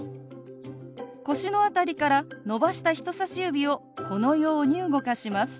腰の辺りから伸ばした人さし指をこのように動かします。